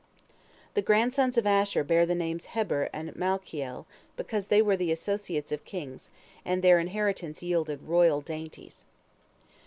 The grandsons of Asher bear the names Heber and Malchiel, because they were the "associates" of kings, and their inheritance yielded "royal dainties."